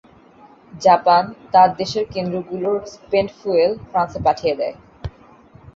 Japan তার দেশের কেন্দ্রগুলোর স্পেন্ট ফুয়েল ফ্রান্সে পাঠিয়ে দেয়।